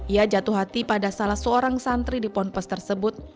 ia jatuh hati pada salah seorang santri di ponpes tersebut